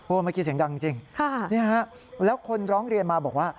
เมื่อกี้เสียงดังจริงแล้วคนร้องเรียนมาบอกว่า